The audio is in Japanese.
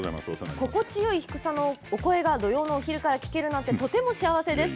心地よい低さのお声が土曜の昼から聞けるなんてとても幸せです。